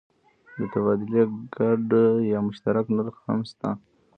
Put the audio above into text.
د تبادلې ګډ یا مشترک نرخ هم شته.